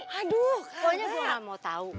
pokoknya gue gak mau tau